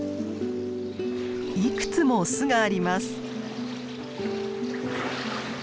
いくつも巣があります。